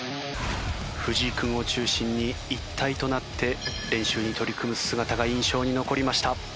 藤井君を中心に一体となって練習に取り組む姿が印象に残りました。